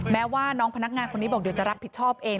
แม้ว่าน้องพนักงานคนนี้บอกเดี๋ยวจะรับผิดชอบเอง